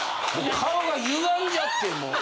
顔がゆがんじゃってもう。